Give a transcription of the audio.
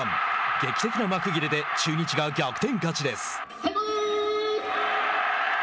劇的な幕切れで中日が逆転勝ちです。